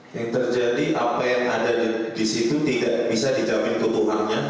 yang terjadi apa yang ada di situ tidak bisa dijamin ke tuhan nya